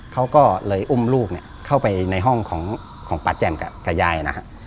เขาก็เลยอุ้มลูกเนี่ยเข้าไปในห้องของป้าแจ่มกับยายนะฮะ